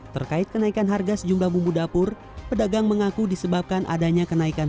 terkait kenaikan harga sejumlah bumbu dapur pedagang mengaku disebabkan adanya kenaikan